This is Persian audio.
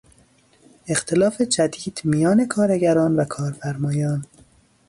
اختلاف جدید میان کارگران و کارفرمایان